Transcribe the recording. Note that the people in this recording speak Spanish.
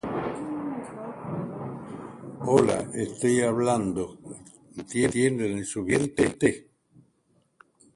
El modelo en cascada para la ingeniería de software se atribuyó erróneamente a Royce.